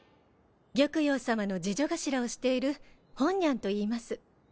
玉葉さまの侍女頭をしている紅娘といいます。